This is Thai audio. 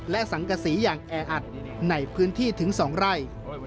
และสังกษีอย่างแออัดในพื้นที่ถึง๒ไร่